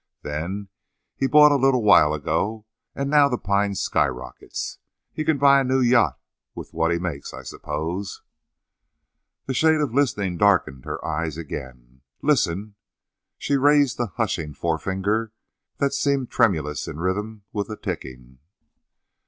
Then he bought a little while ago, and now the pine skyrockets. He can buy a new yacht with what he makes, I suppose!" The shade of listening darkened her eyes again. "Listen!" She raised a hushing forefinger that seemed tremulous in rhythm with the ticking.